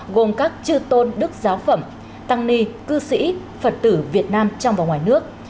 gồm các chư tôn đức giáo phẩm tăng ni cư sĩ phật tử việt nam trong và ngoài nước